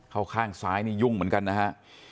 ข้างซ้ายนี่ยุ่งเหมือนกันนะฮะ